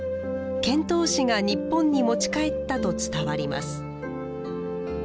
遣唐使が日本に持ち帰ったと伝わります。